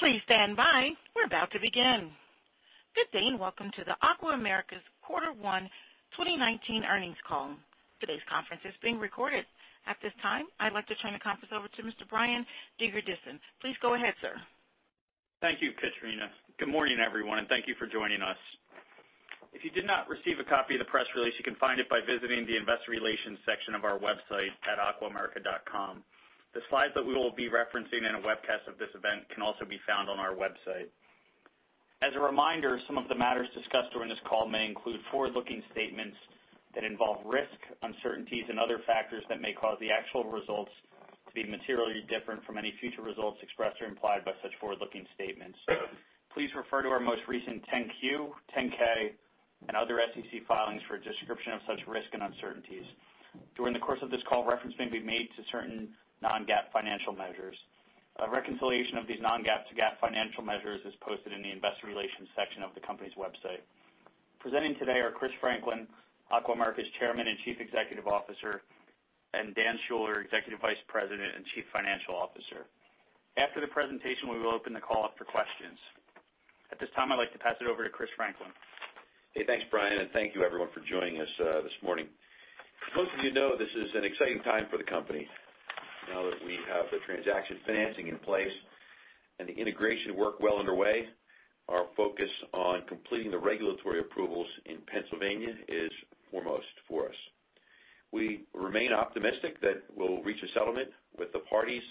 Please stand by. We're about to begin. Good day, and welcome to the Aqua America's Quarter One 2019 earnings call. Today's conference is being recorded. At this time, I'd like to turn the conference over to Mr. Brian Dingerdissen. Please go ahead, sir. Thank you, Katrina. Good morning, everyone, and thank you for joining us. If you did not receive a copy of the press release, you can find it by visiting the investor relations section of our website at aquaamerica.com. The slides that we will be referencing in a webcast of this event can also be found on our website. As a reminder, some of the matters discussed during this call may include forward-looking statements that involve risk, uncertainties and other factors that may cause the actual results to be materially different from any future results expressed or implied by such forward-looking statements. Please refer to our most recent 10-Q, 10-K, and other SEC filings for a description of such risk and uncertainties. During the course of this call, reference may be made to certain non-GAAP financial measures. A reconciliation of these non-GAAP to GAAP financial measures is posted in the investor relations section of the company's website. Presenting today are Christopher Franklin, Aqua America's Chairman and Chief Executive Officer, and Dan Schuller, Executive Vice President and Chief Financial Officer. After the presentation, we will open the call up for questions. At this time, I'd like to pass it over to Christopher Franklin. Thanks, Brian, and thank you everyone for joining us this morning. Most of you know this is an exciting time for the company. Now that we have the transaction financing in place and the integration work well underway, our focus on completing the regulatory approvals in Pennsylvania is foremost for us. We remain optimistic that we'll reach a settlement with the parties,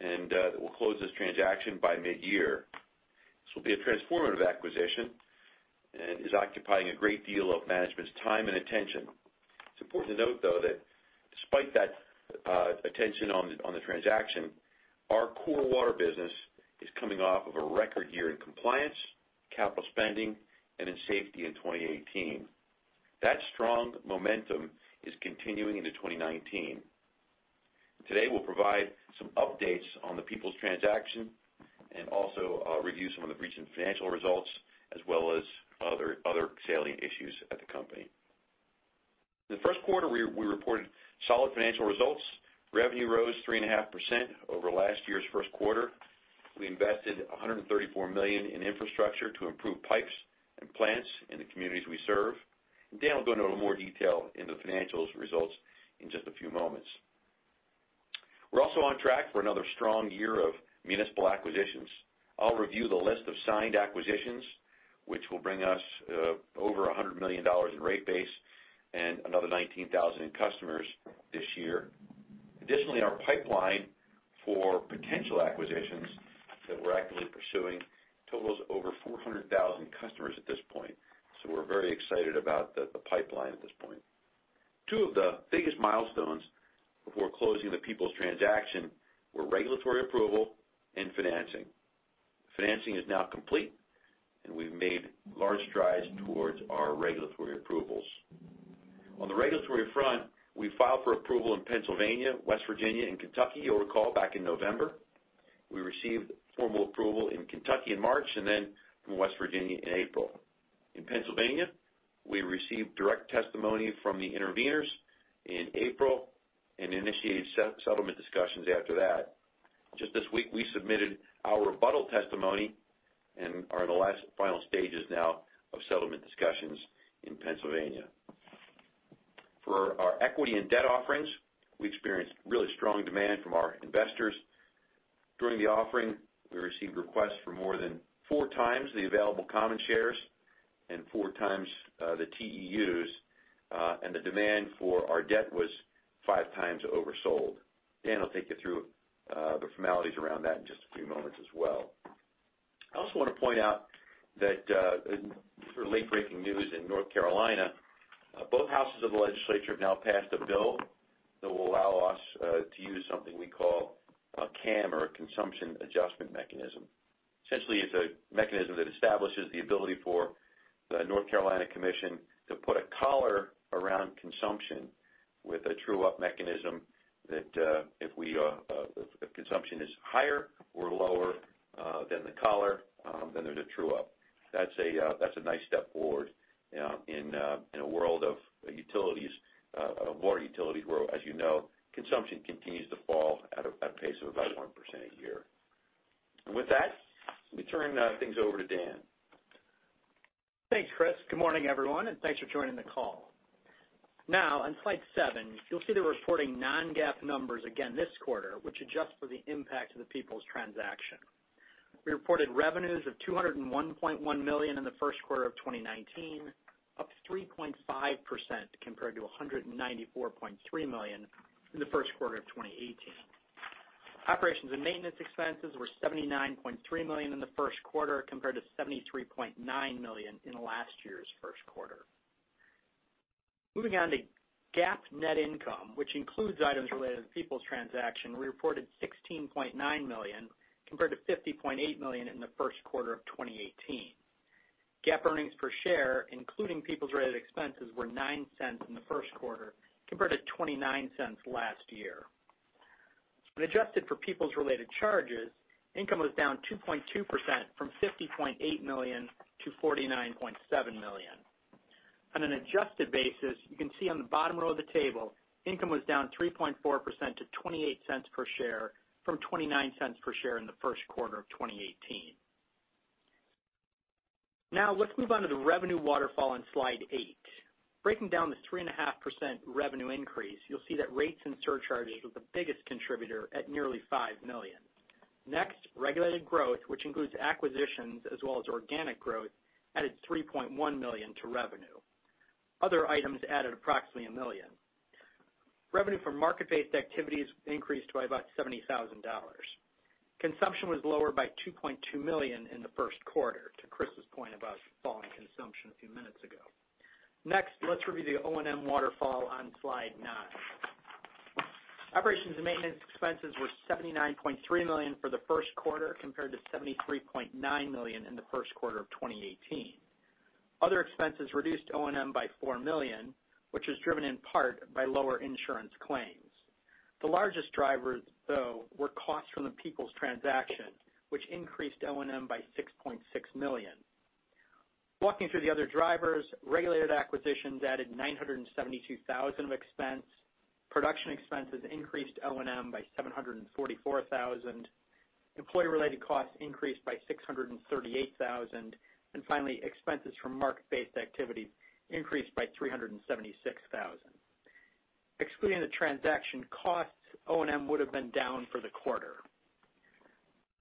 and that we'll close this transaction by midyear. This will be a transformative acquisition and is occupying a great deal of management's time and attention. It's important to note, though, that despite that attention on the transaction, our core water business is coming off of a record year in compliance, capital spending, and in safety in 2018. That strong momentum is continuing into 2019. Today, we'll provide some updates on the Peoples transaction and also review some of the recent financial results, as well as other salient issues at the company. In the first quarter, we reported solid financial results. Revenue rose 3.5% over last year's first quarter. We invested $134 million in infrastructure to improve pipes and plants in the communities we serve. Dan will go into a little more detail in the financial results in just a few moments. We're also on track for another strong year of municipal acquisitions. I'll review the list of signed acquisitions, which will bring us over $100 million in rate base and another 19,000 in customers this year. Additionally, our pipeline for potential acquisitions that we're actively pursuing totals over 400,000 customers at this point, we're very excited about the pipeline at this point. Two of the biggest milestones before closing the Peoples transaction were regulatory approval and financing. Financing is now complete, we've made large strides towards our regulatory approvals. On the regulatory front, we filed for approval in Pennsylvania, West Virginia, and Kentucky, you'll recall back in November. We received formal approval in Kentucky in March, from West Virginia in April. In Pennsylvania, we received direct testimony from the interveners in April and initiated settlement discussions after that. Just this week, we submitted our rebuttal testimony and are in the final stages now of settlement discussions in Pennsylvania. For our equity and debt offerings, we experienced really strong demand from our investors. During the offering, we received requests for more than four times the available common shares and four times the TEUs, the demand for our debt was five times oversold. Dan will take you through the formalities around that in just a few moments as well. I also want to point out late-breaking news in North Carolina. Both houses of the legislature have now passed a bill that will allow us to use something we call a CAM or a Consumption Adjustment Mechanism. Essentially, it's a mechanism that establishes the ability for the North Carolina Commission to put a collar around consumption with a true-up mechanism that if consumption is higher or lower than the collar, then there's a true up. That's a nice step forward in a world of water utilities, where, as you know, consumption continues to fall at a pace of about 1% a year. With that, let me turn things over to Dan. Thanks, Chris. Good morning, everyone, thanks for joining the call. Now, on slide seven, you'll see the reporting non-GAAP numbers again this quarter, which adjust for the impact of the Peoples transaction. We reported revenues of $201.1 million in the first quarter of 2019, up 3.5% compared to $194.3 million in the first quarter of 2018. Operations and maintenance expenses were $79.3 million in the first quarter, compared to $73.9 million in last year's first quarter. Moving on to GAAP net income, which includes items related to the Peoples transaction, we reported $16.9 million, compared to $50.8 million in the first quarter of 2018. GAAP earnings per share, including Peoples-related expenses, were $0.09 in the first quarter, compared to $0.29 last year. When adjusted for Peoples-related charges, income was down 2.2% from $50.8 million to $49.7 million. On an adjusted basis, you can see on the bottom row of the table, income was down 3.4% to $0.28 per share from $0.29 per share in the first quarter of 2018. Let's move on to the revenue waterfall on Slide 8. Breaking down this 3.5% revenue increase, you'll see that rates and surcharges were the biggest contributor at nearly $5 million. Next, regulated growth, which includes acquisitions as well as organic growth, added $3.1 million to revenue. Other items added approximately $1 million. Revenue from market-based activities increased by about $70,000. Consumption was lower by $2.2 million in the first quarter, to Chris's point about falling consumption a few minutes ago. Next, let's review the O&M waterfall on Slide 9. Operations and maintenance expenses were $79.3 million for the first quarter, compared to $73.9 million in the first quarter of 2018. Other expenses reduced O&M by $4 million, which was driven in part by lower insurance claims. The largest drivers, though, were costs from the Peoples transaction, which increased O&M by $6.6 million. Walking through the other drivers, regulated acquisitions added $972,000 of expense. Production expenses increased O&M by $744,000. Employee-related costs increased by $638,000, and finally, expenses from market-based activity increased by $376,000. Excluding the transaction costs, O&M would've been down for the quarter.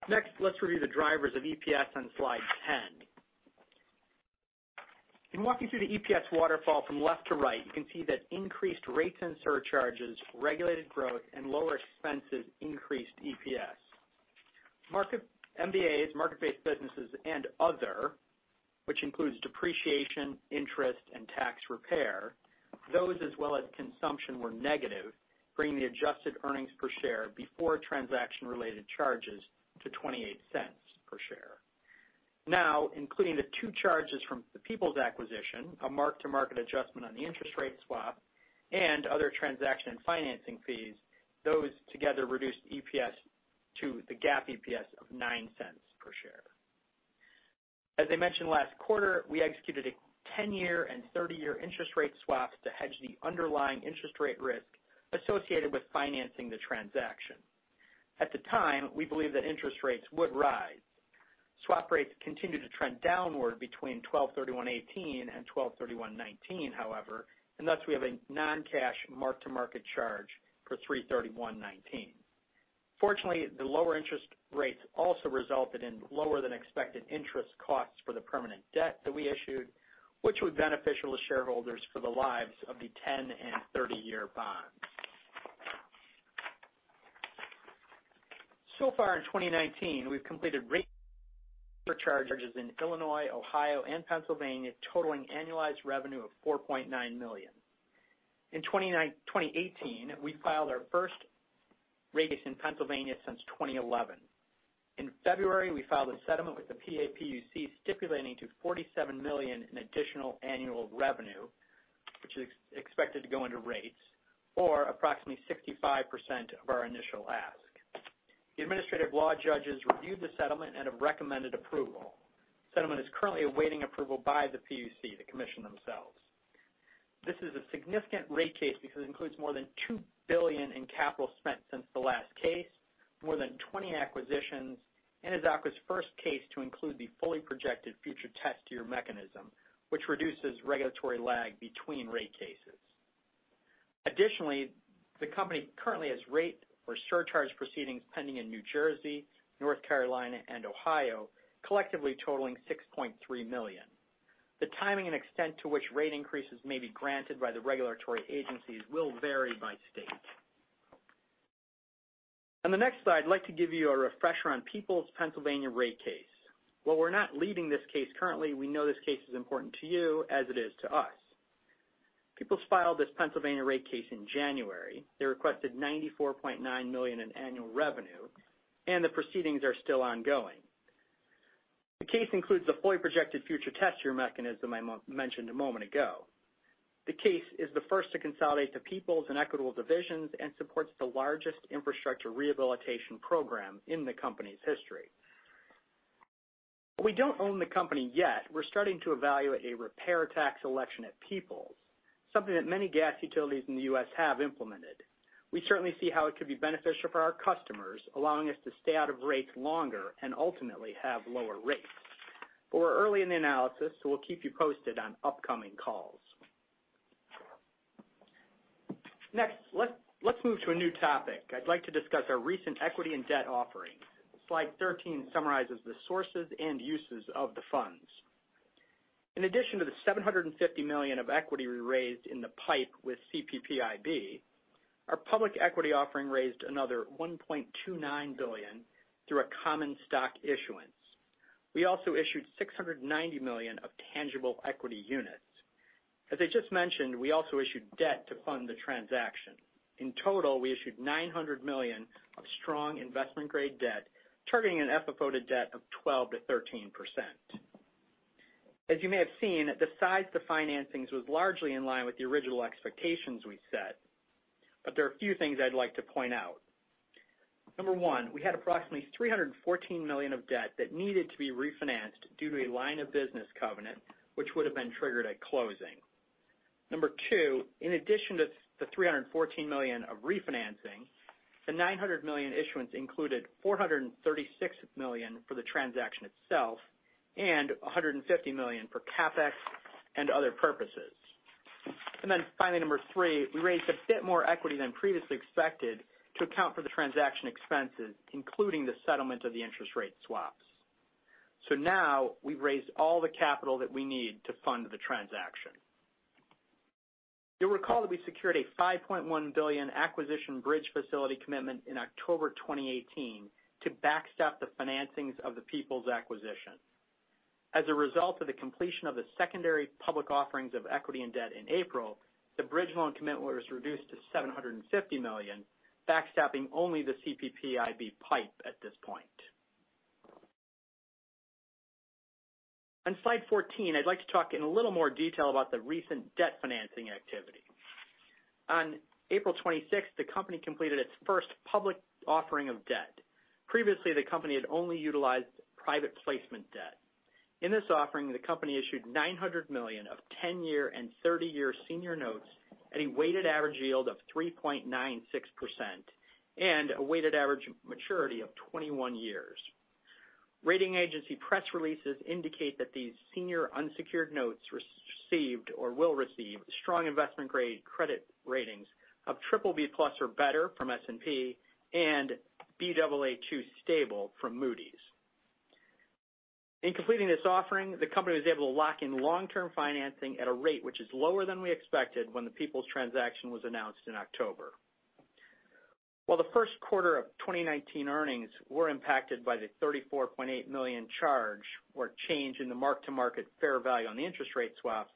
Next, let's review the drivers of EPS on Slide 10. In walking through the EPS waterfall from left to right, you can see that increased rates and surcharges, regulated growth, and lower expenses increased EPS. MBAs, market-based businesses, and other, which includes depreciation, interest, and tax repair. Those, as well as consumption, were negative, bringing the adjusted earnings per share before transaction-related charges to $0.28 per share. Including the two charges from the Peoples acquisition, a market-to-market adjustment on the interest rate swap, and other transaction and financing fees, those together reduced EPS to the GAAP EPS of $0.09 per share. As I mentioned last quarter, we executed a 10-year and 30-year interest rate swap to hedge the underlying interest rate risk associated with financing the transaction. At the time, we believed that interest rates would rise. Swap rates continued to trend downward between 12/31/2018 and 12/31/2019, however, and thus, we have a non-cash market-to-market charge for 03/31/2019. Fortunately, the lower interest rates also resulted in lower than expected interest costs for the permanent debt that we issued, which would benefit all the shareholders for the lives of the 10- and 30-year bonds. So far in 2019, we've completed rate surcharges in Illinois, Ohio, and Pennsylvania totaling annualized revenue of $4.9 million. In 2018, we filed our first rates in Pennsylvania since 2011. In February, we filed a settlement with the PAPUC stipulating to $47 million in additional annual revenue, which is expected to go under rates or approximately 65% of our initial ask. The administrative law judges reviewed the settlement and have recommended approval. Settlement is currently awaiting approval by the PUC, the commission themselves. This is a significant rate case because it includes more than $2 billion in capital spent since the last case, more than 20 acquisitions, and is Aqua's first case to include the fully projected future test-year mechanism, which reduces regulatory lag between rate cases. Additionally, the company currently has rate or surcharge proceedings pending in New Jersey, North Carolina, and Ohio, collectively totaling $6.3 million. The timing and extent to which rate increases may be granted by the regulatory agencies will vary by state. On the next slide, I'd like to give you a refresher on Peoples Pennsylvania rate case. While we're not leading this case currently, we know this case is important to you as it is to us. Peoples filed this Pennsylvania rate case in January. They requested $94.9 million in annual revenue, and the proceedings are still ongoing. The case includes the fully projected future test-year mechanism I mentioned a moment ago. The case is the first to consolidate the Peoples and Equitable divisions and supports the largest infrastructure rehabilitation program in the company's history. We don't own the company yet. We're starting to evaluate a repair tax election at Peoples, something that many gas utilities in the U.S. have implemented. We certainly see how it could be beneficial for our customers, allowing us to stay out of rates longer and ultimately have lower rates. We're early in the analysis, so we'll keep you posted on upcoming calls. Next, let's move to a new topic. I'd like to discuss our recent equity and debt offerings. Slide 13 summarizes the sources and uses of the funds. In addition to the $750 million of equity we raised in the PIPE with CPPIB, our public equity offering raised another $1.29 billion through a common stock issuance. We also issued $690 million of tangible equity units. As I just mentioned, we also issued debt to fund the transaction. In total, we issued $900 million of strong investment-grade debt, targeting an FFO to debt of 12%-13%. As you may have seen, the size of the financings was largely in line with the original expectations we set. There are a few things I'd like to point out. Number one, we had approximately $314 million of debt that needed to be refinanced due to a line of business covenant, which would've been triggered at closing. Number two, in addition to the $314 million of refinancing, the $900 million issuance included $436 million for the transaction itself and $150 million for CapEx and other purposes. Finally, number three, we raised a bit more equity than previously expected to account for the transaction expenses, including the settlement of the interest rate swaps. Now we've raised all the capital that we need to fund the transaction. You'll recall that we secured a $5.1 billion acquisition bridge facility commitment in October 2018 to backstop the financings of the Peoples acquisition. As a result of the completion of the secondary public offerings of equity and debt in April, the bridge loan commitment was reduced to $750 million, backstopping only the CPPIB PIPE at this point. On slide 14, I'd like to talk in a little more detail about the recent debt financing activity. On April 26th, the company completed its first public offering of debt. Previously, the company had only utilized private placement debt. In this offering, the company issued $900 million of 10-year and 30-year senior notes at a weighted average yield of 3.96% and a weighted average maturity of 21 years. Rating agency press releases indicate that these senior unsecured notes received or will receive strong investment-grade credit ratings of triple B plus or better from S&P and Baa2 stable from Moody's. In completing this offering, the company was able to lock in long-term financing at a rate which is lower than we expected when the Peoples transaction was announced in October. While the first quarter of 2019 earnings were impacted by the $34.8 million charge or change in the mark-to-market fair value on the interest rate swaps,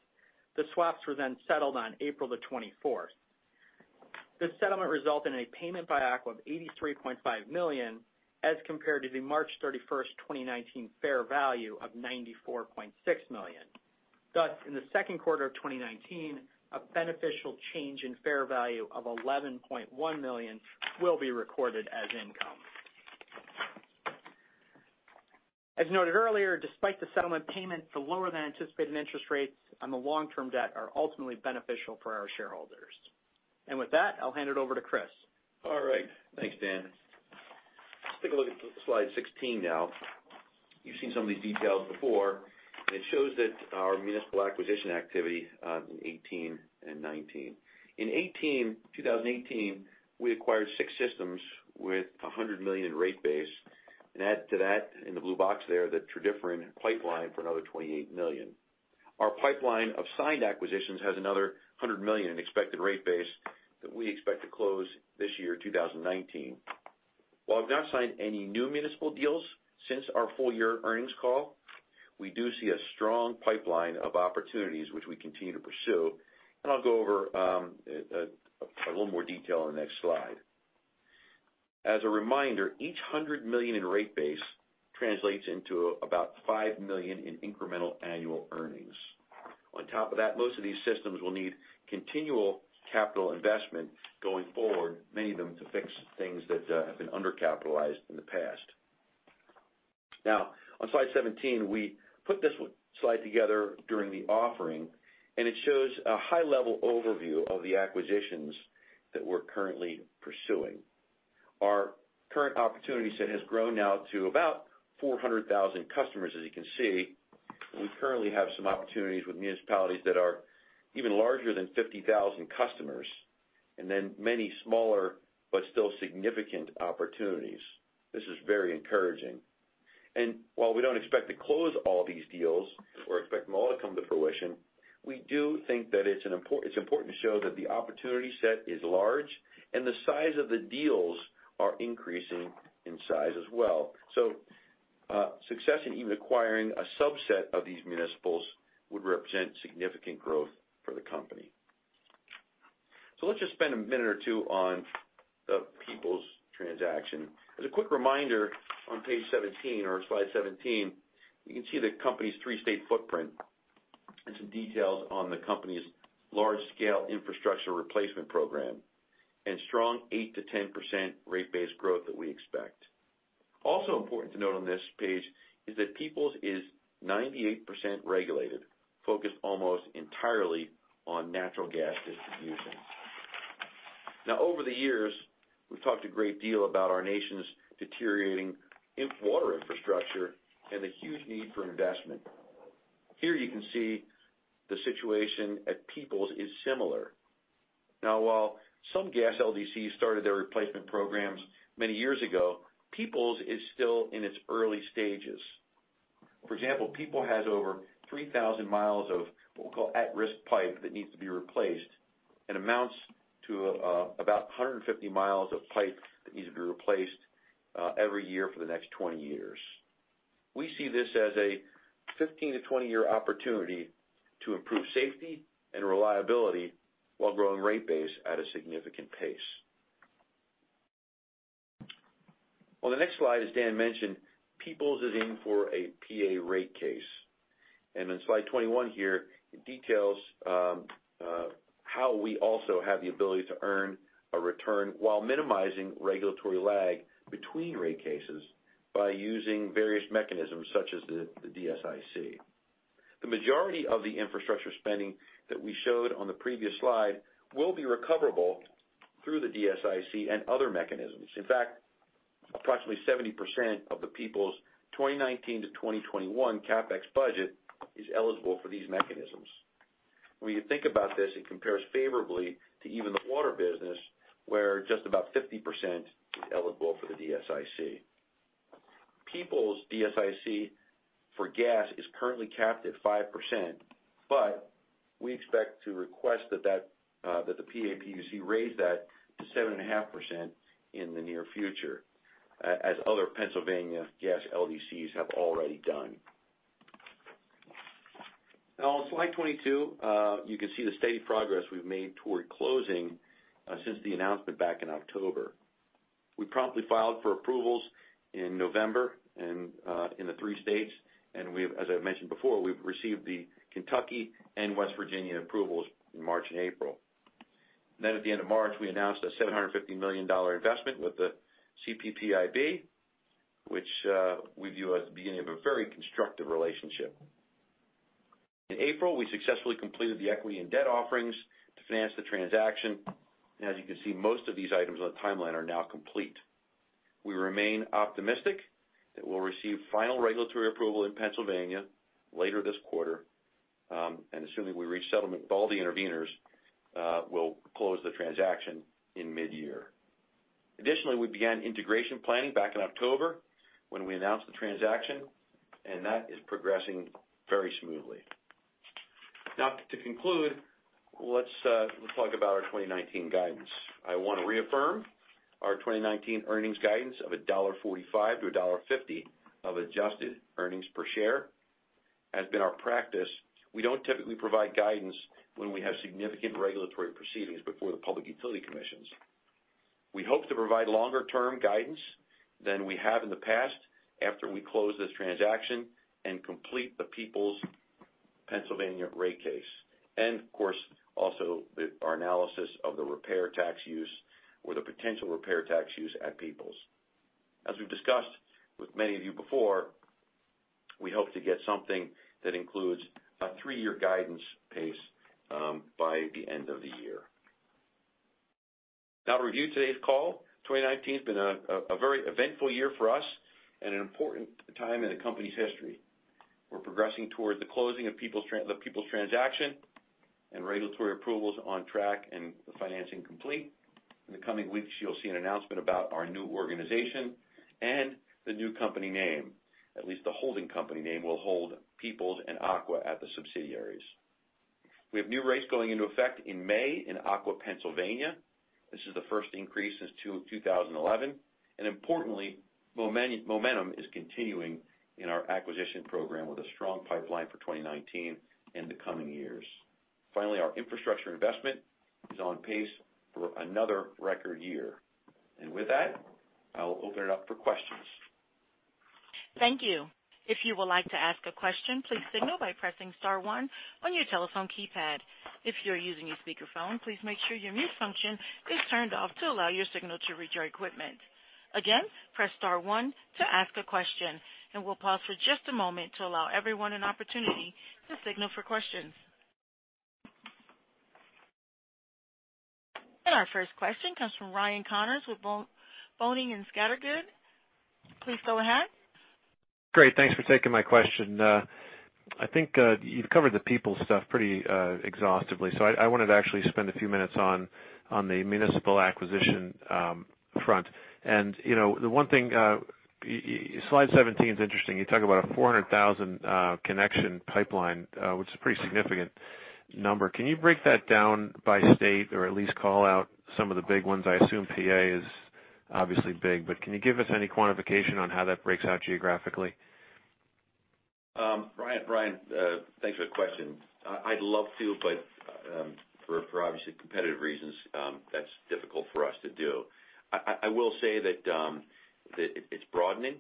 the swaps were settled on April 24th. This settlement resulted in a payment by Aqua of $83.5 million as compared to the March 31st, 2019 fair value of $94.6 million. In the second quarter of 2019, a beneficial change in fair value of $11.1 million will be recorded as income. As noted earlier, despite the settlement payment, the lower than anticipated interest rates on the long-term debt are ultimately beneficial for our shareholders. With that, I'll hand it over to Chris. All right. Thanks, Dan. Let's take a look at slide 16 now. You've seen some of these details before, and it shows that our municipal acquisition activity, in 2018 and 2019. In 2018, we acquired six systems with $100 million in rate base. Add to that in the blue box there, the Tredyffrin pipeline for another $28 million. Our pipeline of signed acquisitions has another $100 million in expected rate base that we expect to close this year, 2019. While I've not signed any new municipal deals since our full-year earnings call, we do see a strong pipeline of opportunities which we continue to pursue. I'll go over a little more detail on the next slide. As a reminder, each $100 million in rate base translates into about $5 million in incremental annual earnings. On top of that, most of these systems will need continual capital investment going forward, many of them to fix things that have been under-capitalized in the past. On slide 17, we put this slide together during the offering. It shows a high-level overview of the acquisitions that we're currently pursuing. Our current opportunity set has grown now to about 400,000 customers, as you can see. We currently have some opportunities with municipalities that are even larger than 50,000 customers, then many smaller but still significant opportunities. This is very encouraging. While we don't expect to close all these deals or expect them all to come to fruition, we do think that it's important to show that the opportunity set is large and the size of the deals are increasing in size as well. Success in even acquiring a subset of these municipals would represent significant growth for the company. Let's just spend a minute or two on the Peoples transaction. As a quick reminder on page 17 or slide 17, you can see the company's three-state footprint and some details on the company's large-scale infrastructure replacement program and strong 8%-10% rate base growth that we expect. Also important to note on this page is that Peoples is 98% regulated, focused almost entirely on natural gas distribution. Over the years, we've talked a great deal about our nation's deteriorating water infrastructure and the huge need for investment. Here you can see the situation at Peoples is similar. While some gas LDCs started their replacement programs many years ago, Peoples is still in its early stages. For example, Peoples has over 3,000 miles of what we call at-risk pipe that needs to be replaced and amounts to about 150 miles of pipe that needs to be replaced every year for the next 20 years. We see this as a 15-20-year opportunity to improve safety and reliability while growing rate base at a significant pace. On the next slide, as Dan mentioned, Peoples is in for a PA rate case. Slide 21 here, it details how we also have the ability to earn a return while minimizing regulatory lag between rate cases by using various mechanisms such as the DSIC. The majority of the infrastructure spending that we showed on the previous slide will be recoverable through the DSIC and other mechanisms. In fact, approximately 70% of the Peoples' 2019-2021 CapEx budget is eligible for these mechanisms. When you think about this, it compares favorably to even the water business, where just about 50% is eligible for the DSIC. Peoples' DSIC for gas is currently capped at 5%, but we expect to request that the PAPUC raise that to 7.5% in the near future, as other Pennsylvania gas LDCs have already done. On slide 22, you can see the steady progress we've made toward closing since the announcement back in October. We promptly filed for approvals in November and in the three states. As I've mentioned before, we've received the Kentucky and West Virginia approvals in March and April. At the end of March, we announced a $750 million investment with the CPPIB, which we view as the beginning of a very constructive relationship. In April, we successfully completed the equity and debt offerings to finance the transaction. As you can see, most of these items on the timeline are now complete. We remain optimistic that we'll receive final regulatory approval in Pennsylvania later this quarter. Assuming we reach settlement with all the interveners, we'll close the transaction in mid-year. Additionally, we began integration planning back in October, when we announced the transaction. That is progressing very smoothly. To conclude, let's talk about our 2019 guidance. I want to reaffirm our 2019 earnings guidance of $1.45-$1.50 of adjusted earnings per share. As been our practice, we don't typically provide guidance when we have significant regulatory proceedings before the Public Utility Commissions. We hope to provide longer-term guidance than we have in the past after we close this transaction and complete the Peoples Pennsylvania rate case. Also our analysis of the repair tax use or the potential repair tax use at Peoples. As we've discussed with many of you before, we hope to get something that includes a three-year guidance pace by the end of the year. To review today's call. 2019's been a very eventful year for us and an important time in the company's history. We're progressing towards the closing of the Peoples transaction and regulatory approval's on track and the financing complete. In the coming weeks, you'll see an announcement about our new organization and the new company name. At least the holding company name will hold Peoples and Aqua at the subsidiaries. We have new rates going into effect in May in Aqua Pennsylvania. This is the first increase since 2011. Importantly, momentum is continuing in our acquisition program with a strong pipeline for 2019 and the coming years. Finally, our infrastructure investment is on pace for another record year. With that, I will open it up for questions. Thank you. If you would like to ask a question, please signal by pressing star one on your telephone keypad. If you're using a speakerphone, please make sure your mute function is turned off to allow your signal to reach our equipment. Again, press star one to ask a question. We'll pause for just a moment to allow everyone an opportunity to signal for questions. Our first question comes from Ryan Connors with Boenning & Scattergood. Please go ahead. Great. Thanks for taking my question. I think you've covered the Peoples stuff pretty exhaustively. I wanted to actually spend a few minutes on the municipal acquisition front. The one thing, slide 17's interesting. You talk about a 400,000 connection pipeline, which is a pretty significant number. Can you break that down by state or at least call out some of the big ones? I assume PA is obviously big, but can you give us any quantification on how that breaks out geographically? Ryan, thanks for the question. I'd love to, for obviously competitive reasons, that's difficult for us to do. I will say that it's broadening.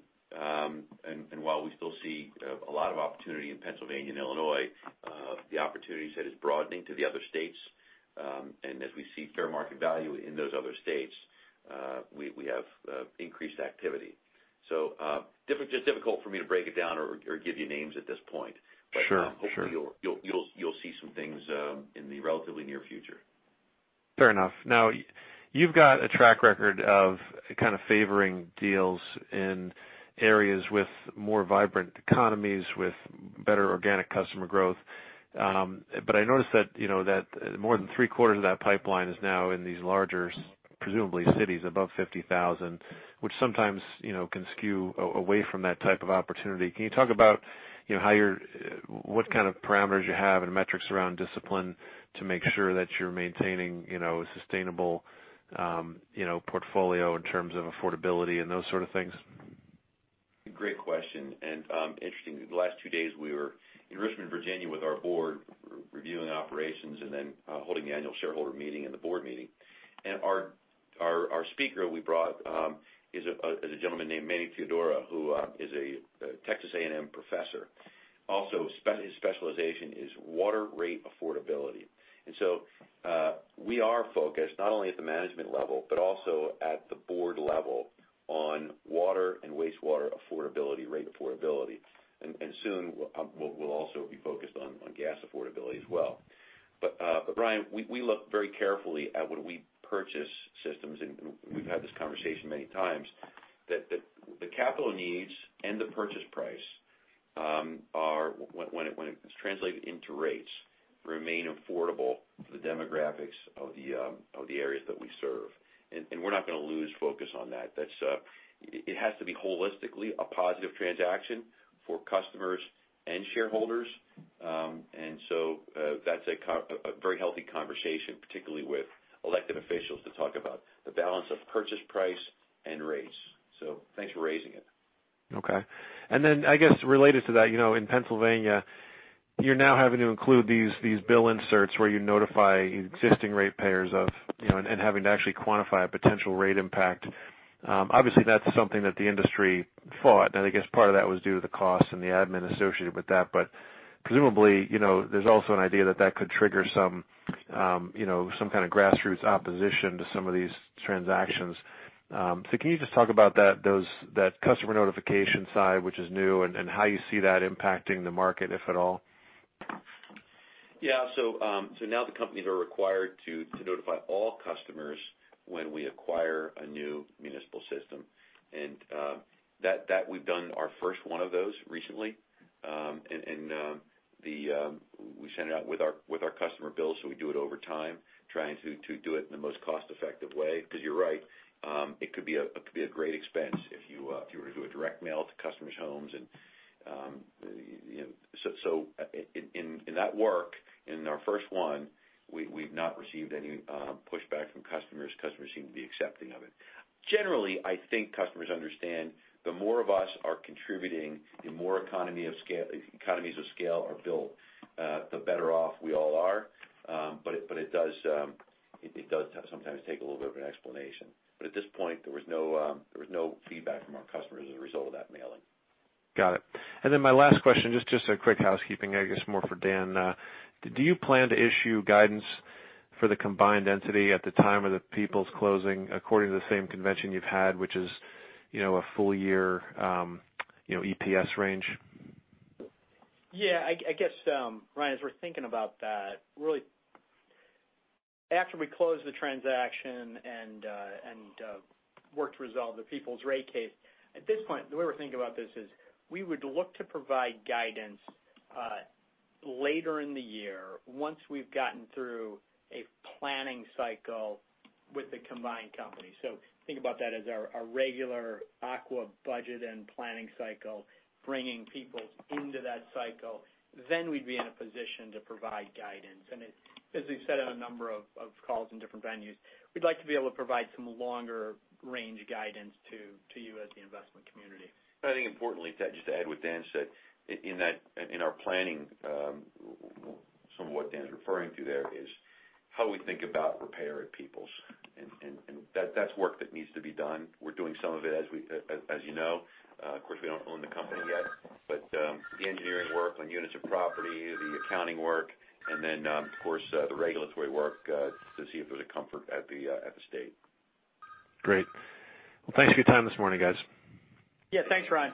While we still see a lot of opportunity in Pennsylvania and Illinois, the opportunity set is broadening to the other states. As we see fair market value in those other states, we have increased activity. Just difficult for me to break it down or give you names at this point. Sure. Hopefully you'll see some things in the relatively near future. Fair enough. Now, you've got a track record of kind of favoring deals in areas with more vibrant economies, with better organic customer growth. I noticed that more than three-quarters of that pipeline is now in these larger, presumably cities above 50,000, which sometimes can skew away from that type of opportunity. Can you talk about what kind of parameters you have and metrics around discipline to make sure that you're maintaining a sustainable portfolio in terms of affordability and those sort of things? Great question. Interestingly, the last two days, we were in Richmond, Virginia, with our board reviewing operations and then holding the annual shareholder meeting and the board meeting. Our speaker we brought is a gentleman named Manny Teodoro, who is a Texas A&M professor. Also, his specialization is water rate affordability. So we are focused not only at the management level, but also at the board level on water and wastewater affordability, rate affordability. Soon, we'll also be focused on gas affordability as well. Ryan, we look very carefully at when we purchase systems, and we've had this conversation many times, that the capital needs and the purchase price, when it's translated into rates, remain affordable for the demographics of the areas that we serve. We're not going to lose focus on that. It has to be holistically a positive transaction for customers and shareholders. That's a very healthy conversation, particularly with elected officials, to talk about the balance of purchase price and rates. Thanks for raising it. Okay. I guess related to that, in Pennsylvania, you're now having to include these bill inserts where you notify existing ratepayers of and having to actually quantify a potential rate impact. Obviously, that's something that the industry fought, and I guess part of that was due to the cost and the admin associated with that. Presumably, there's also an idea that that could trigger some kind of grassroots opposition to some of these transactions. Can you just talk about that customer notification side, which is new, and how you see that impacting the market, if at all? Yeah. Now the companies are required to notify all customers when we acquire a new municipal system, that we've done our first one of those recently. We sent it out with our customer bill, we do it over time, trying to do it in the most cost-effective way. You're right, it could be a great expense if you were to do a direct mail to customers' homes. In that work, in our first one, we've not received any pushback from customers. Customers seem to be accepting of it. Generally, I think customers understand the more of us are contributing, the more economies of scale are built, the better off we all are. It does sometimes take a little bit of an explanation. At this point, there was no feedback from our customers as a result of that mailing. Got it. My last question, just a quick housekeeping, I guess, more for Dan. Do you plan to issue guidance for the combined entity at the time of the Peoples closing according to the same convention you've had, which is a full year EPS range? Yeah. I guess, Brian, as we're thinking about that, really after we close the transaction and work to resolve the Peoples rate case, at this point, the way we're thinking about this is we would look to provide guidance later in the year once we've gotten through a planning cycle with the combined company. Think about that as our regular Aqua budget and planning cycle, bringing Peoples into that cycle. We'd be in a position to provide guidance. As we've said on a number of calls in different venues, we'd like to be able to provide some longer range guidance to you as the investment community. I think importantly, just to add what Dan said, in our planning, some of what Dan's referring to there is how we think about repair at Peoples, and that's work that needs to be done. We're doing some of it, as you know. Of course, we don't own the company yet, but the engineering work on units of property, the accounting work, and then, of course, the regulatory work to see if there's a comfort at the state. Great. Thanks for your time this morning, guys. Thanks, Brian.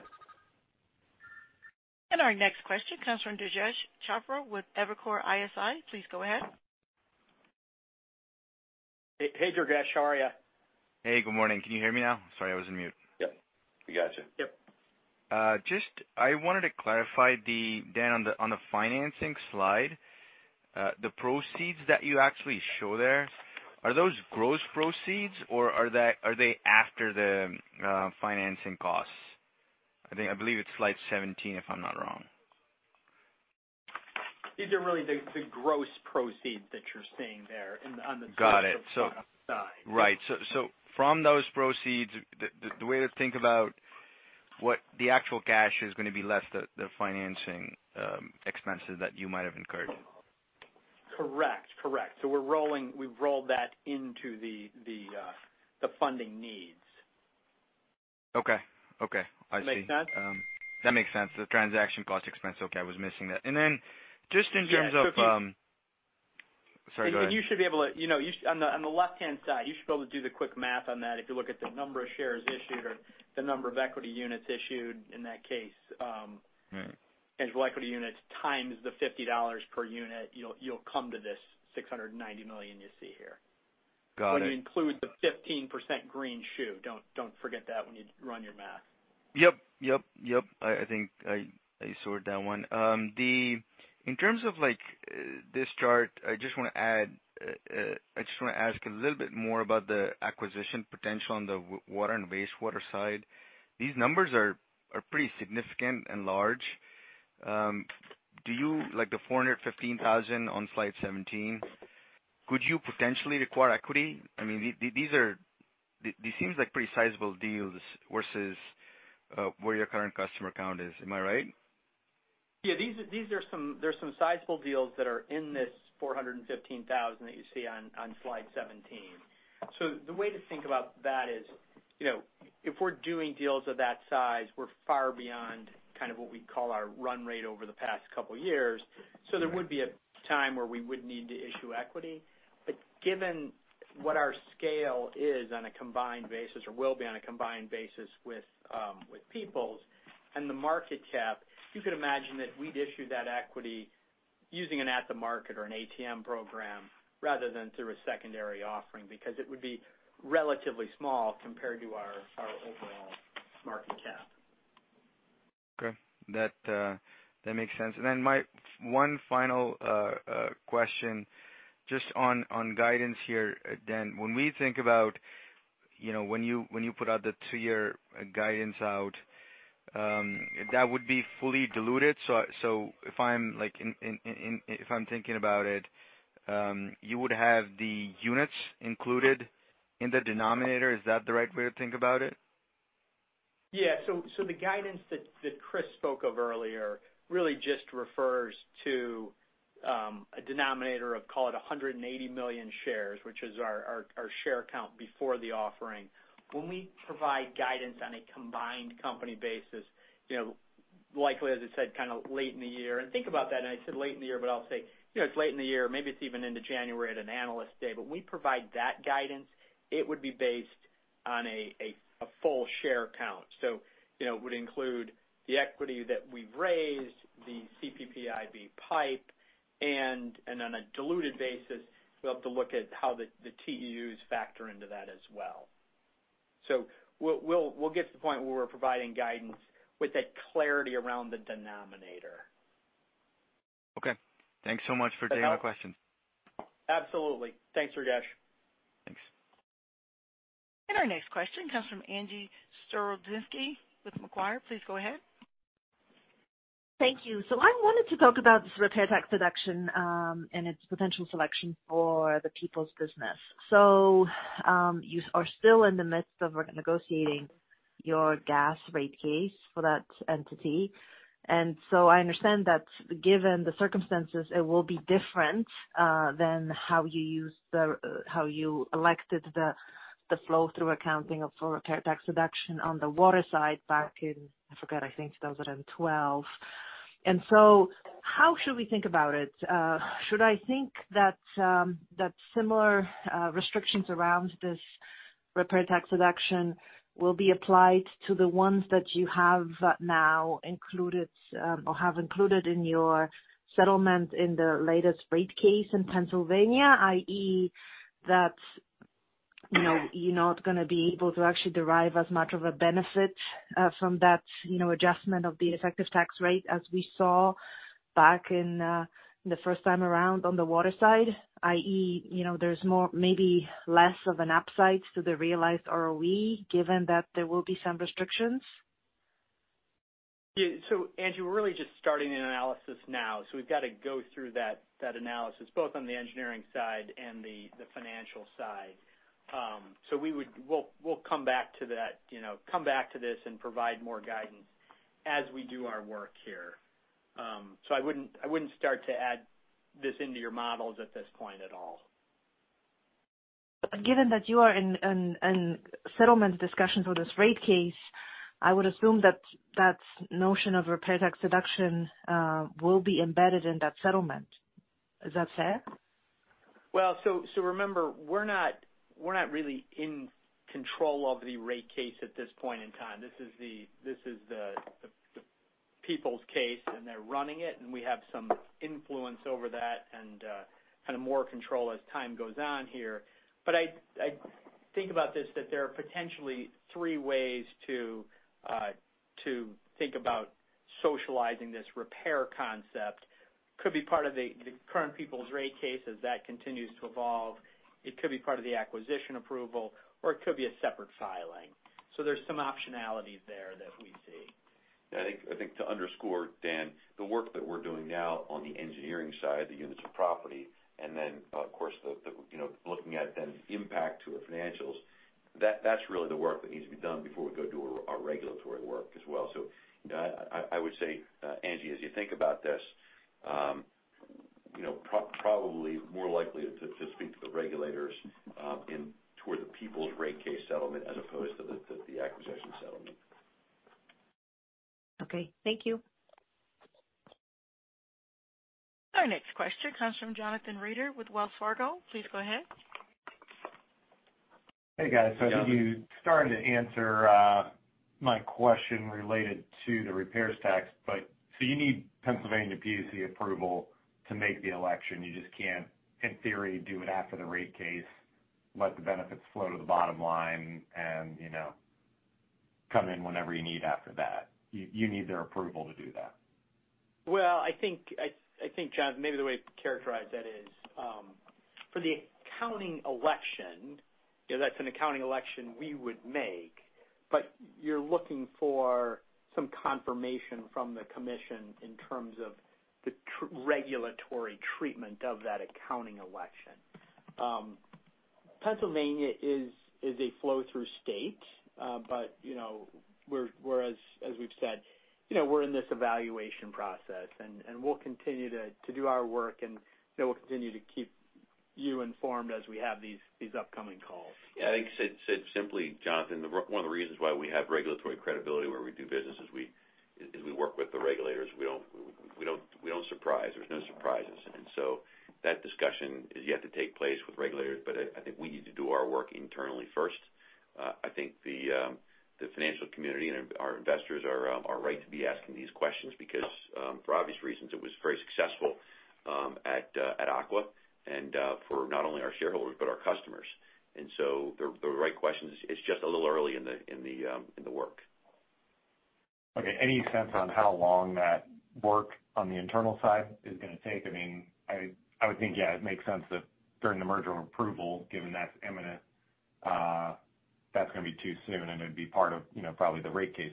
Our next question comes from Durgesh Chopra with Evercore ISI. Please go ahead. Hey, Durgesh. How are you? Hey, good morning. Can you hear me now? Sorry, I was on mute. Yep. We got you. Yep. Just, I wanted to clarify, Dan, on the financing slide, the proceeds that you actually show there, are those gross proceeds, or are they after the financing costs? I believe it's slide 17, if I'm not wrong. These are really the gross proceeds that you're seeing there. Got it. top side. Right. From those proceeds, the way to think about what the actual cash is going to be less the financing expenses that you might have incurred. Correct. We've rolled that into the funding needs. Okay. I see. Make sense? That makes sense. The transaction cost expense, okay, I was missing that. Yeah Sorry, go ahead. On the left-hand side, you should be able to do the quick math on that if you look at the number of shares issued or the number of equity units issued in that case. Tangible Equity Units times the $50 per unit, you'll come to this $690 million you see here. Got it. When you include the 15% greenshoe, don't forget that when you run your math. Yep. I think I sorted that one. In terms of this chart, I just want to ask a little bit more about the acquisition potential on the water and wastewater side. These numbers are pretty significant and large. Like the 415,000 on slide 17. Could you potentially require equity? These seems like pretty sizable deals versus where your current customer count is. Am I right? Yeah. There's some sizable deals that are in this 415,000 that you see on slide 17. The way to think about that is, if we're doing deals of that size, we're far beyond kind of what we call our run rate over the past couple of years. There would be a time where we would need to issue equity. Given what our scale is on a combined basis, or will be on a combined basis with Peoples and the market cap, you could imagine that we'd issue that equity using an at-the-market or an ATM program rather than through a secondary offering, because it would be relatively small compared to our overall market cap. Okay. That makes sense. My one final question, just on guidance here, Dan. When we think about when you put out the two-year guidance out, that would be fully diluted. If I'm thinking about it, you would have the units included in the denominator. Is that the right way to think about it? Yeah. The guidance that Chris spoke of earlier really just refers to a denominator of, call it 180 million shares, which is our share count before the offering. When we provide guidance on a combined company basis, likely, as I said, kind of late in the year. Think about that, and I said late in the year, but I'll say, it's late in the year, maybe it's even into January at an analyst day. When we provide that guidance, it would be based on a full share count. It would include the equity that we've raised, the CPPIB PIPE, and on a diluted basis, we'll have to look at how the TEUs factor into that as well. We'll get to the point where we're providing guidance with that clarity around the denominator. Okay. Thanks so much for taking my questions. Absolutely. Thanks, Durgesh. Thanks. Our next question comes from Angie Storozynski with Macquarie. Please go ahead. Thank you. I wanted to talk about this repair tax deduction, and its potential selection for the Peoples business. You are still in the midst of negotiating your gas rate case for that entity. I understand that given the circumstances, it will be different than how you elected the flow through accounting of repair tax deduction on the water side back in, I forget, I think 2012. How should we think about it? Should I think that similar restrictions around this repair tax deduction will be applied to the ones that you have now included, or have included in your settlement in the latest rate case in Pennsylvania, i.e., that you're not going to be able to actually derive as much of a benefit from that adjustment of the effective tax rate as we saw back in the first time around on the water side, i.e., there's maybe less of an upside to the realized ROE, given that there will be some restrictions? Yeah. Angie, we're really just starting an analysis now, we've got to go through that analysis, both on the engineering side and the financial side. We'll come back to this and provide more guidance as we do our work here. I wouldn't start to add this into your models at this point at all. Given that you are in settlement discussions with this rate case, I would assume that that notion of repair tax deduction will be embedded in that settlement. Is that fair? Remember, we're not really in control of the rate case at this point in time. This is the Peoples case, and they're running it, and we have some influence over that and kind of more control as time goes on here. I think about this, that there are potentially three ways to think about socializing this repair concept. Could be part of the current Peoples rate case as that continues to evolve. It could be part of the acquisition approval, or it could be a separate filing. There's some optionalities there that we see. I think to underscore, Dan, the work that we're doing now on the engineering side, the units of property, and then of course looking at then impact to our financials, that's really the work that needs to be done before we go do our regulatory work as well. I would say, Angie, as you think about this, probably more likely to speak to the regulators toward the Peoples rate case settlement as opposed to the acquisition settlement. Okay. Thank you. Our next question comes from Jonathan Reeder with Wells Fargo. Please go ahead. Hey, guys. I think you started to answer my question related to the repairs tax, but so you need Pennsylvania PUC approval to make the election. You just can't, in theory, do it after the rate case, let the benefits flow to the bottom line and come in whenever you need after that. You need their approval to do that. I think, Jonathan, maybe the way to characterize that is, for the accounting election, that's an accounting election we would make. You're looking for some confirmation from the commission in terms of the regulatory treatment of that accounting election. Pennsylvania is a flow-through state, but whereas as we've said, we're in this evaluation process, and we'll continue to do our work, and we'll continue to keep you informed as we have these upcoming calls. I think said simply, Jonathan, one of the reasons why we have regulatory credibility where we do business is we work with the regulators. We don't surprise. There's no surprises. That discussion is yet to take place with regulators. I think we need to do our work internally first. I think the financial community and our investors are right to be asking these questions because, for obvious reasons, it was very successful at Aqua and for not only our shareholders but our customers. They're the right questions. It's just a little early in the work. Okay. Any sense on how long that work on the internal side is going to take? I would think it makes sense that during the merger approval, given that's imminent, that's going to be too soon and it'd be part of probably the rate case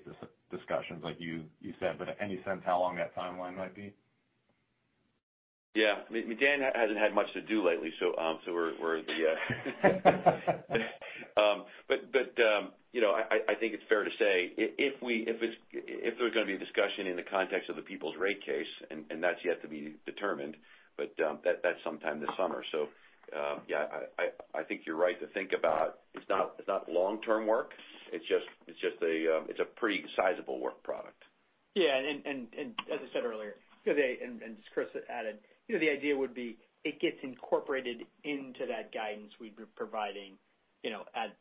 discussions like you said, but any sense how long that timeline might be? Dan hasn't had much to do lately. I think it's fair to say if there's going to be a discussion in the context of the Peoples rate case, and that's yet to be determined, that's sometime this summer. I think you're right to think about it's not long-term work. It's a pretty sizable work product. As I said earlier, as Chris added, the idea would be it gets incorporated into that guidance we'd be providing at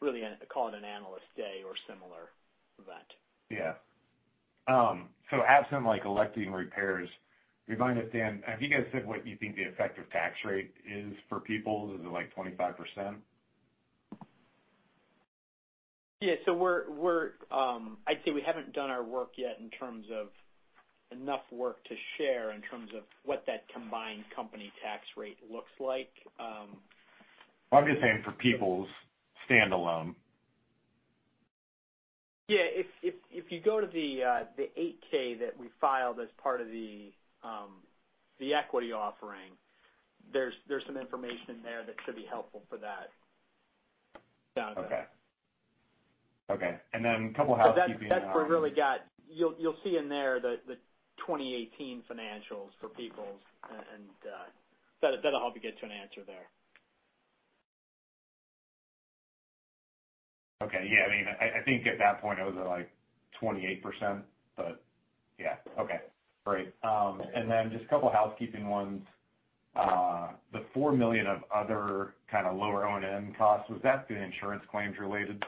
really a call it an analyst day or similar event. Absent like electing repairs, have you guys said what you think the effective tax rate is for Peoples? Is it like 25%? I'd say we haven't done our work yet in terms of enough work to share in terms of what that combined company tax rate looks like. Well, I'm just saying for Peoples's standalone. Yeah. If you go to the 8-K that we filed as part of the equity offering, there's some information there that should be helpful for that, Jonathan. Okay. A couple housekeeping items. You'll see in there the 2018 financials for Peoples's, that'll help you get to an answer there. Okay. Yeah, I think at that point it was at like 28%, but yeah. Okay, great. Then just a couple housekeeping ones. The $4 million of other kind of lower O&M costs, was that due to insurance claims related?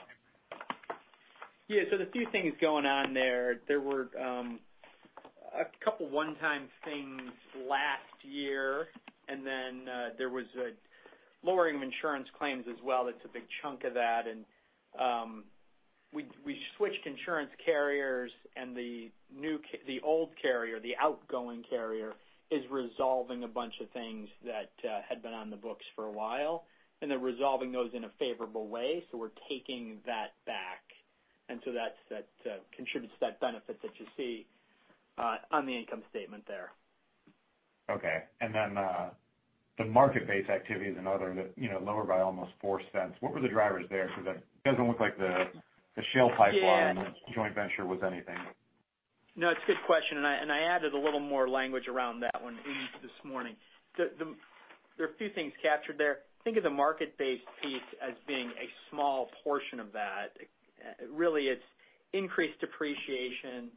Yeah. There are a few things going on there. There were a couple one-time things last year. Then there was a lowering of insurance claims as well that's a big chunk of that. We switched insurance carriers and the old carrier, the outgoing carrier, is resolving a bunch of things that had been on the books for a while, and they're resolving those in a favorable way. We're taking that back. That contributes to that benefit that you see on the income statement there. Okay. Then the market-based activities and other that lower by almost $0.04, what were the drivers there? It doesn't look like the Shell pipeline joint venture was anything. No, it's a good question. I added a little more language around that one this morning. There are a few things captured there. Think of the market-based piece as being a small portion of that. Really it's increased depreciation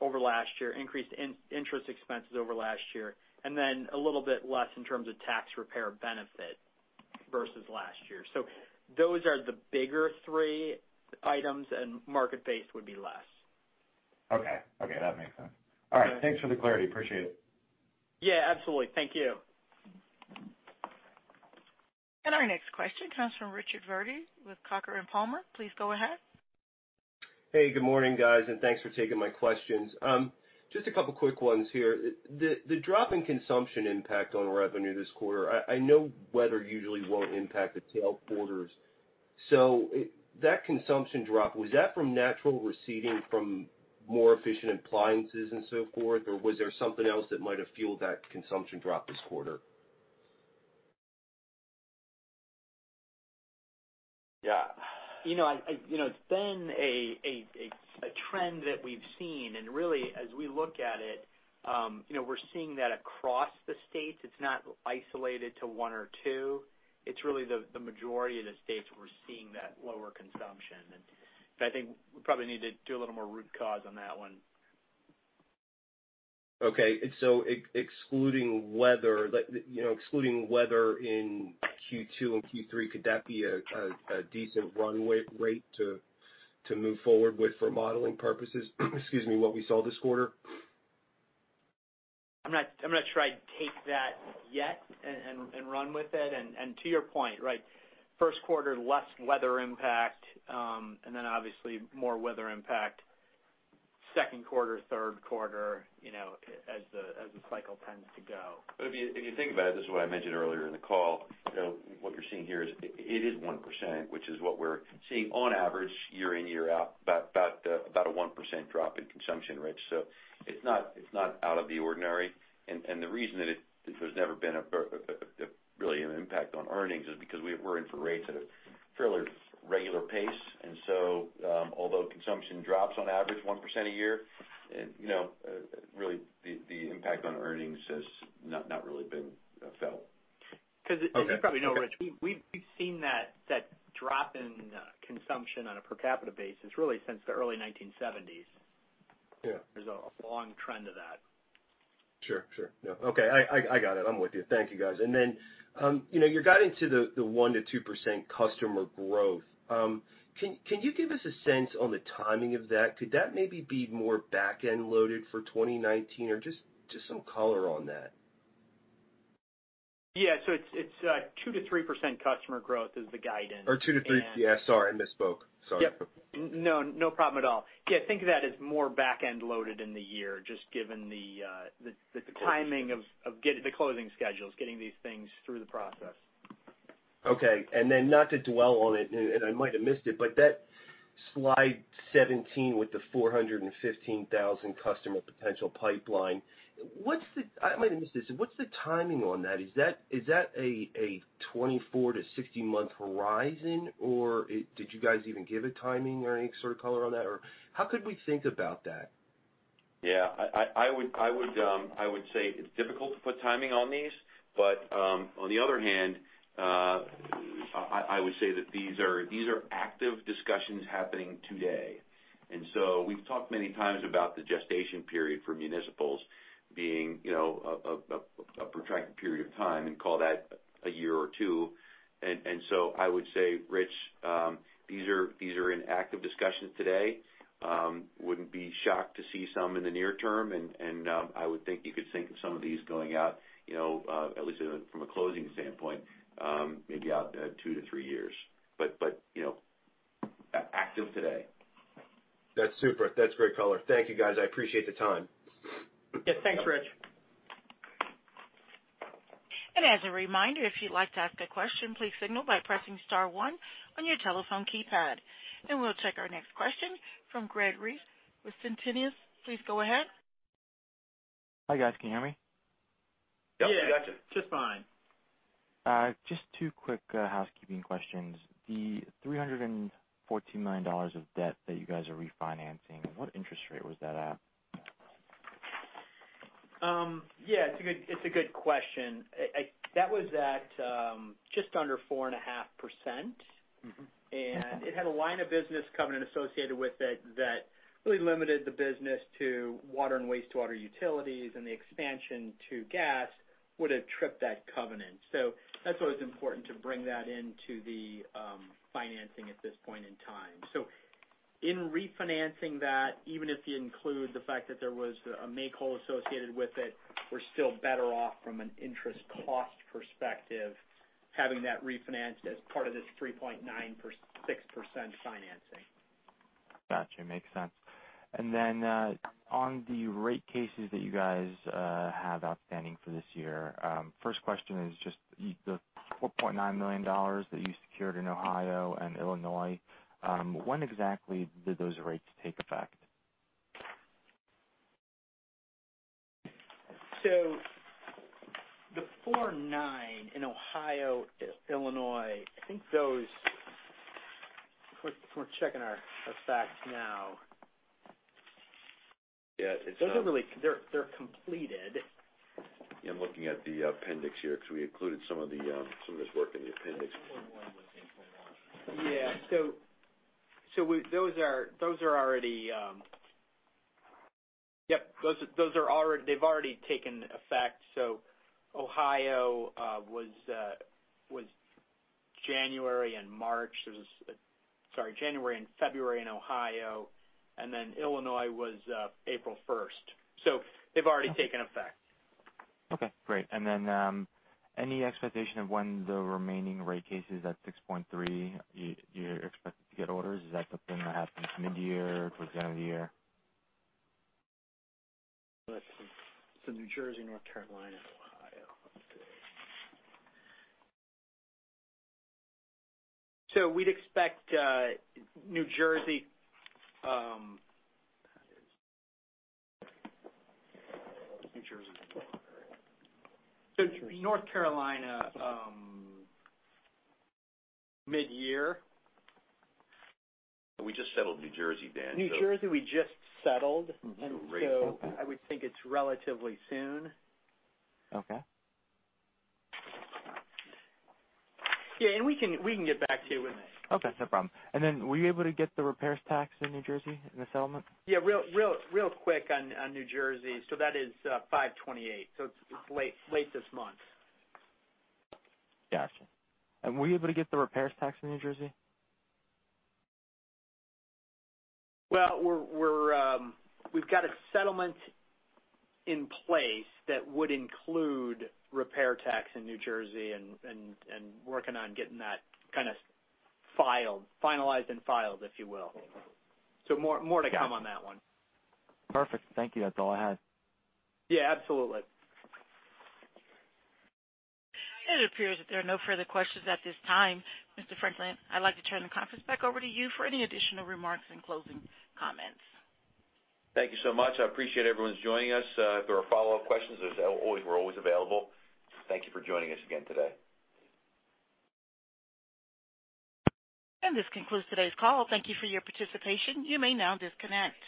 over last year, increased interest expenses over last year. Then a little bit less in terms of tax repair benefit versus last year. Those are the bigger three items, and market-based would be less. Okay. That makes sense. All right. Thanks for the clarity. Appreciate it. Yeah, absolutely. Thank you. Our next question comes from Richard Verdi with Coker & Palmer. Please go ahead. Hey, good morning, guys, thanks for taking my questions. Just a couple quick ones here. The drop in consumption impact on revenue this quarter, I know weather usually won't impact the tail quarters. That consumption drop, was that from natural receding from more efficient appliances and so forth? Was there something else that might have fueled that consumption drop this quarter? Yeah. It's been a trend that we've seen. Really as we look at it, we're seeing that across the states. It's not isolated to one or two. It's really the majority of the states we're seeing that lower consumption. I think we probably need to do a little more root cause on that one. Okay. Excluding weather in Q2 and Q3, could that be a decent runway rate to move forward with for modeling purposes, excuse me, what we saw this quarter? I'm going to try to take that yet and run with it. To your point, first quarter, less weather impact, then obviously more weather impact Second quarter, third quarter, as the cycle tends to go. If you think about it, this is what I mentioned earlier in the call, what you're seeing here is it is 1%, which is what we're seeing on average, year in, year out, about a 1% drop in consumption rates. It's not out of the ordinary. The reason that there's never been really an impact on earnings is because we're in for rates at a fairly regular pace. Although consumption drops on average 1% a year, really the impact on earnings has not really been felt. As you probably know, Rich, we've seen that drop in consumption on a per capita basis really since the early 1970s. Yeah. There's a long trend of that. Sure. Yeah. Okay, I got it. I'm with you. Thank you, guys. Then, you got into the 1%-2% customer growth. Can you give us a sense on the timing of that? Could that maybe be more back-end loaded for 2019? Just some color on that. Yeah. It's 2%-3% customer growth is the guidance. Two to three. Yeah, sorry, I misspoke. Sorry. Yep. No problem at all. Think of that as more back-end loaded in the year, just given the timing of the closing schedules, getting these things through the process. Not to dwell on it, I might have missed it, that slide 17 with the 415,000 customer potential pipeline, I might have missed this, what's the timing on that? Is that a 24-60 month horizon, did you guys even give a timing or any sort of color on that, how could we think about that? I would say it's difficult to put timing on these, on the other hand, I would say that these are active discussions happening today. We've talked many times about the gestation period for municipals being a protracted period of time, call that a year or two. I would say, Rich, these are in active discussions today. Wouldn't be shocked to see some in the near term, I would think you could think of some of these going out, at least from a closing standpoint, maybe out two to three years. Active today. That's super. That's great color. Thank you, guys. I appreciate the time. Yeah, thanks, Rich. As a reminder, if you'd like to ask a question, please signal by pressing star one on your telephone keypad. We'll check our next question from Greg Reiss with Centenus. Please go ahead. Hi, guys. Can you hear me? Yep. Yeah. We got you. Just fine. Just two quick housekeeping questions. The $314 million of debt that you guys are refinancing, what interest rate was that at? Yeah, it's a good question. That was at just under 4.5%. It had a line of business covenant associated with it that really limited the business to water and wastewater utilities, and the expansion to gas would've tripped that covenant. That's why it's important to bring that into the financing at this point in time. In refinancing that, even if you include the fact that there was a make whole associated with it, we're still better off from an interest cost perspective, having that refinanced as part of this 3.96% financing. Gotcha. Makes sense. On the rate cases that you guys have outstanding for this year, first question is just the $4.9 million that you secured in Ohio and Illinois, when exactly did those rates take effect? The 4.9 in Ohio, Illinois, I think those. We're checking our facts now. Yeah, it's. Those are really They're completed. Yeah, I'm looking at the appendix here, because we included some of this work in the appendix. That's the one where I'm looking for more. Yeah. Those are already Yep. They've already taken effect, so Ohio was January and March. Sorry, January and February in Ohio, and then Illinois was April 1st. They've already taken effect. Okay, great. Then, any expectation of when the remaining rate cases at 6.3 you're expecting to get orders? Is that something that happens midyear, towards the end of the year? New Jersey, North Carolina, Ohio. Let's see. We'd expect New Jersey New Jersey. North Carolina midyear. We just settled New Jersey, Dan, so. New Jersey, we just settled. It's a rate. I would think it's relatively soon. Okay. Yeah, we can get back to you with it. Okay, no problem. Were you able to get the repairs tax in New Jersey in the settlement? Yeah. Real quick on New Jersey. That is 5/28, so it's late this month. Got you. Were you able to get the repairs tax in New Jersey? Well, we've got a settlement in place that would include repair tax in New Jersey, working on getting that kind of finalized and filed, if you will. More to come on that one. Perfect. Thank you. That's all I had. Yeah, absolutely. It appears that there are no further questions at this time. Mr. Franklin, I'd like to turn the conference back over to you for any additional remarks and closing comments. Thank you so much. I appreciate everyone's joining us. If there are follow-up questions, as always, we're always available. Thank you for joining us again today. This concludes today's call. Thank you for your participation. You may now disconnect.